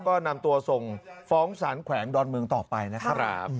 ก็นำตัวส่งฟ้องสารแขวงดอนเมืองต่อไปนะครับ